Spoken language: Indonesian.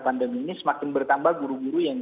pandemi ini semakin bertambah guru guru yang